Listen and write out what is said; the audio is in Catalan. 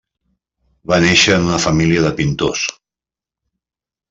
Va néixer en una família de pintors.